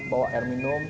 bawa air minum